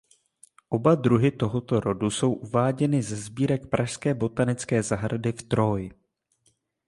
Oba druhy tohoto rodu jsou uváděny ze sbírek Pražské botanické zahrady v Tróji.